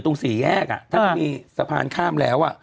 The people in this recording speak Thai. ตรงศรีแยกถ้ามีสะพานข้ามแล้ว